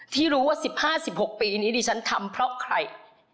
ที่รู้ว่า๑๕๑๖ปีนี้ดิฉันทำเพราะใคร